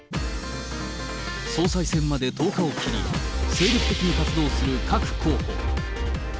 総裁選まで１０日を切り、精力的に活動する各候補。